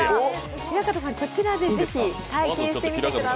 平方さん、こちらでぜひ体験してみてください。